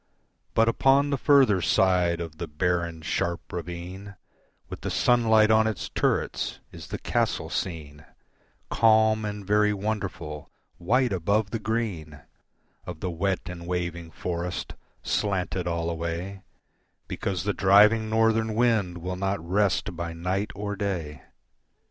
But upon the further side of the barren, sharp ravine With the sunlight on its turrets is the castle seen, Calm and very wonderful, white above the green Of the wet and waving forest, slanted all away, Because the driving Northern wind will not rest by night or day.